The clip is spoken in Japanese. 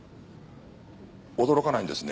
驚かないんですね。